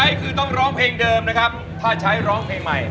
นี่คือต้องร้องเพลงเดิมนะครับถ้าใช้ร้องเพลงใหม่